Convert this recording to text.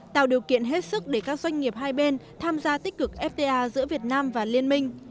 tạo điều kiện hết sức để các doanh nghiệp hai bên tham gia tích cực fta giữa việt nam và liên minh